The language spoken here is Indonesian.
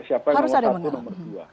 siapa yang menguasai nomor satu dan nomor dua